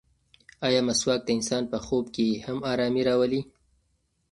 ایا مسواک د انسان په خوب کې هم ارامي راولي؟